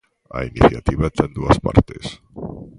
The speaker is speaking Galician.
A iniciativa ten dúas partes.